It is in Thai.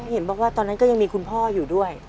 เห็นบอกว่าตอนนั้นก็ยังมีคุณพ่ออยู่ด้วย